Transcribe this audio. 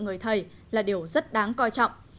người thầy là điều rất đáng coi trọng